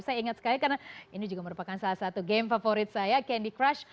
saya ingat sekali karena ini juga merupakan salah satu game favorit saya candy crush